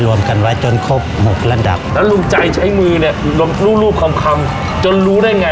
รวมกันไว้จนครบหกระดับแล้วลุงใจใช้มือเนี่ยรูปรูปคำคำจนรู้ได้ไง